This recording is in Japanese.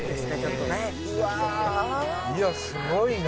いやすごいな！